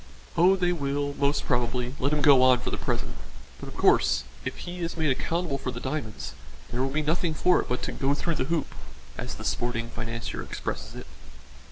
"Oh, they will, most probably, let him go on for the present; but, of course, if he is made accountable for the diamonds there will be nothing for it but to 'go through the hoop,' as the sporting financier expresses it."